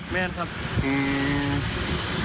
แม่นครับ